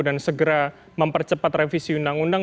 dan segera mempercepat revisi undang undang